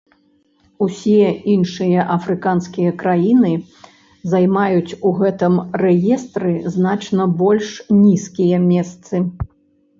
Усе іншыя афрыканскія краіны займаюць у гэтым рэестры значна больш нізкія месцы.